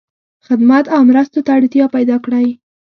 خدمت او مرستو ته اړتیا پیدا کړی.